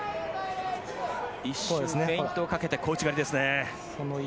一瞬フェイントをかけて小内刈りですね。